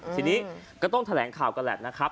ทีนี้ก็ต้องแถลงข่าวกันแหละนะครับ